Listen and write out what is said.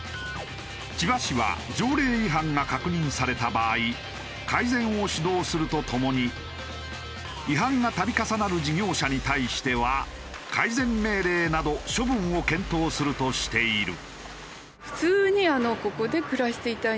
千葉市は条例違反が確認された場合改善を指導するとともに違反が度重なる事業者に対しては改善命令など処分を検討するとしている。